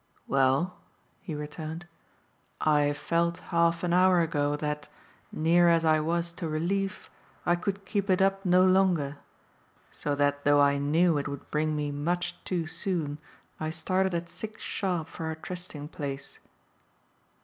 "Well," he returned, "I felt half an hour ago that, near as I was to relief, I could keep it up no longer; so that though I knew it would bring me much too soon I started at six sharp for our trysting place."